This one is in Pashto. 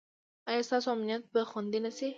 ایا ستاسو امنیت به خوندي نه شي؟